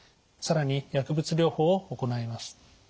更に薬物療法を行います。